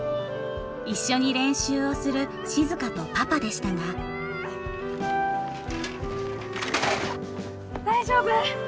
一緒に練習をする静とパパでしたが大丈夫？